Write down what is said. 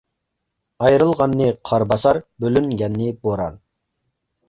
ئايرىلغاننى قار باسار، بۆلۈنگەننى بوران.